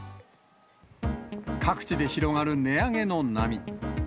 各地で広がる値上げの波。